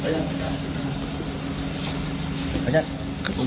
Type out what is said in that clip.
ยกร์รสวทีเรียน